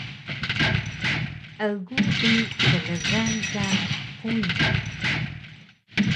Egu bi klgan ka quyu